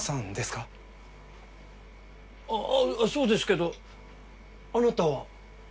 そうですけどあなたは？